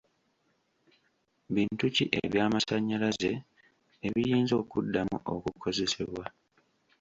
Bintu ki eby'amasannyalaze ebiyinza okuddamu okukozesebwa?